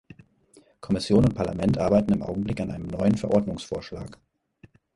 Kommission und Parlament arbeiten im Augenblick an einem neuen Verordnungsvorschlag.